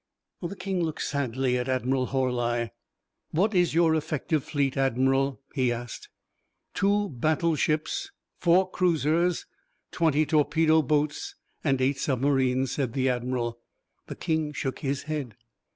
The King looked sadly at Admiral Horli. "What is your effective fleet, Admiral?" he asked. "Two battleships, four cruisers, twenty torpedo boats, and eight submarines," said the Admiral. The King shook his head.